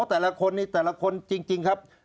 ไอ้คุณแต่ละคนจริงครับ